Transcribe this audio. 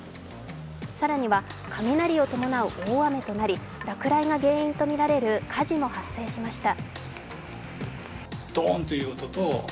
更には、雷を伴う大雨となり落雷が原因とみられる火事が発生しました。